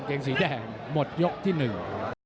เกงสีแดงหมดยกที่หนึ่ง